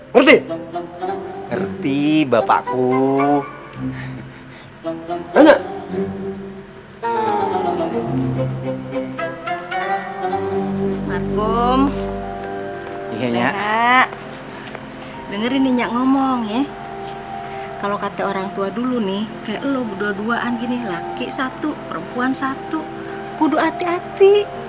mak bum dengerin nyak ngomong ya kalau kata orang tua dulu nih kayak lo berdua duaan gini laki satu perempuan satu kudu hati hati